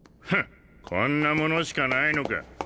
こんなものしかないのか。